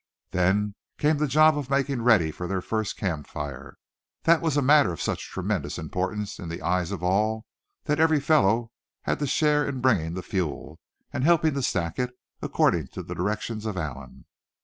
Then came the job of making ready for their first camp fire. That was a matter of such tremendous importance in the eyes of all that every fellow had to share in bringing the fuel, and helping to stack it, according to the directions of Allan.